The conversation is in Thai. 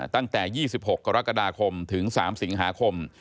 ตั้งแต่๒๖กรกฎาคมถึง๓สิงหาคม